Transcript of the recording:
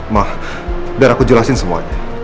mah biar aku jelasin semuanya